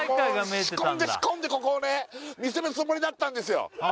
仕込んで仕込んでここをね見せるつもりだったんですよ